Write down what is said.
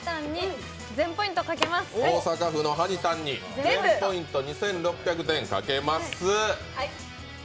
大阪府のはにたんに全ポイント、２６００点かけます！